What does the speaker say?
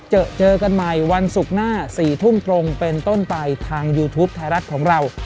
เจอเจอกันใหม่วันศุกร์หน้า๔ทุ่มตรงเป็นต้นไปทางยูทูปไทยรัฐของเรา